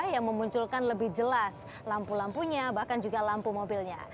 yang memunculkan lebih jelas lampu lampunya bahkan juga lampu mobilnya